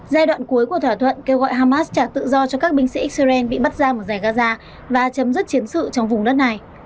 giai đoạn cuối của thỏa thuận kêu gọi hamas trả tự do cho các binh sĩ israel bị bắt ra một giải gaza và chấm dứt chiến sự trong vùng đất này